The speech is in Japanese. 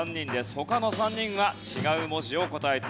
他の３人は違う文字を答えています。